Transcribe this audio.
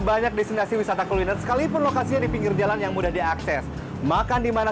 banyak destinasi wisata kuliner sekalipun lokasinya di pinggir jalan yang mudah diakses makan dimana